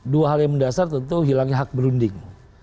dua hal yang mendasar tentu hilangnya hak berunding